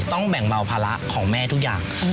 ต้องแบ่งเบาภาระของแม่ทุกอย่าง